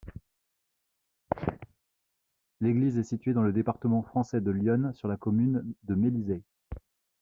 L'église est située dans le département français de l'Yonne, sur la commune de Mélisey.